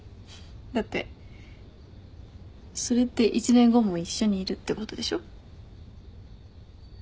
だってそれって１年後も一緒にいるってことでしょ？